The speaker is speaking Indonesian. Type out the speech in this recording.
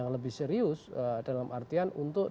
lebih serius dalam artian untuk